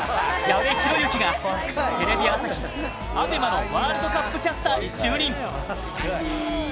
矢部浩之がテレビ朝日・ＡＢＥＭＡのワールドカップキャスターに就任！